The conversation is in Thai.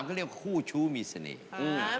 เขาเรียกคู่ชู้มีเสน่ห์